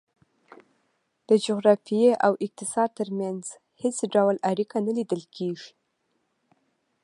د جغرافیې او اقتصاد ترمنځ هېڅ ډول اړیکه نه لیدل کېږي.